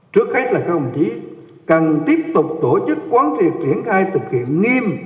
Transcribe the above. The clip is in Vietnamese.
trước hết là các ông chí cần tiếp tục tổ chức quán triệt triển khai thực hiện nghiêm